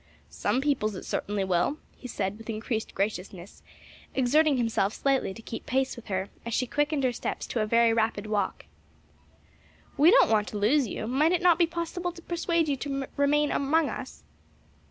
"Some people's it certainly will," he said, with increased graciousness, exerting himself slightly to keep pace with her, as she quickened her steps to a very rapid walk. "We don't want to lose you; might it not be possible to persuade you to remain among us?"